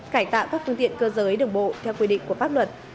cải tạo các phương tiện cơ giới đường bộ theo quy định của pháp luật